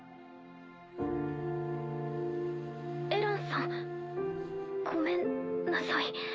エランさんごめんなさい。